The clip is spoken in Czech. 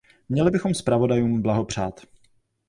Měli bychom zpravodajům blahopřát.